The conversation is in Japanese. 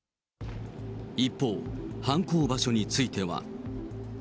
一方、犯行場所については。